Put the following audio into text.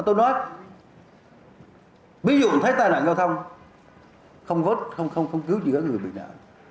tôi nói ví dụ thấy tai nạn giao thông không vốt không cứu chỉ có người bị nạn